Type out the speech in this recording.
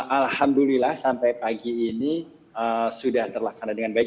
alhamdulillah sampai pagi ini sudah terlaksana dengan baik